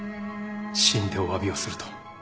死んでおわびをすると。